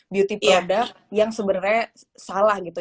beauty product yang sebenarnya salah gitu